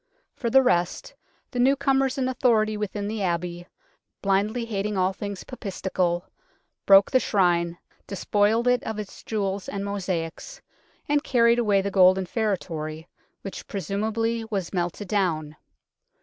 For the rest, the newcomers in authority within the Abbey, blindly hating all things papistical, broke the Shrine, despoiled it of its jewels and mosaics, and carried away the golden feretory, which presumably was melted down.